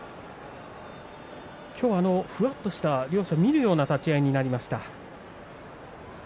ふわっとした両者見るような立ち合いになりました。